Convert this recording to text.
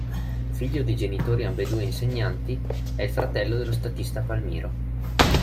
Figlio di genitori ambedue insegnanti, è il fratello dello statista Palmiro.